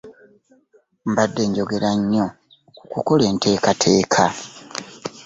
Mbadde njogera nnyo ku kukola enteekateeka.